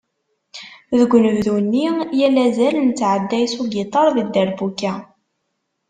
Deg unebdu-nni, yal azal nettɛedday s ugiṭar d dderbuka.